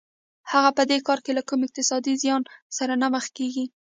هغه په دې کار کې له کوم اقتصادي زیان سره نه مخ کېږي